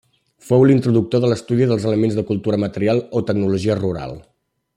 Fou l'introductor de l'estudi dels elements de cultura material o tecnologia rural.